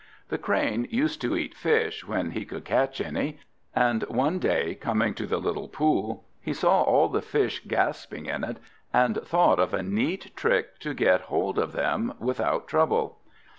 The Crane used to eat fish, when he could catch any; and one day, coming to the little pool, he saw all the fish gasping in it, and thought of a neat trick to get hold of them without trouble.